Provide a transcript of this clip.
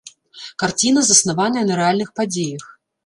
Карціна заснаваная на рэальных падзеях.